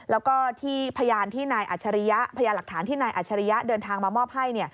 แล้วก็ที่พยานหลักฐานที่นายอัชริยะเดินทางมามอบให้